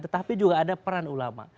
tetapi juga ada peran ulama